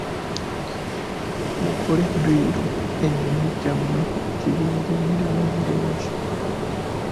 Mukole dduyiro emibiri gyammwe gibeere miramu bulungi.